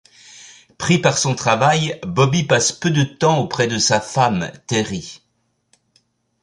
Pris par son travail, Bobby passe peu de temps auprès de sa femme, Terry.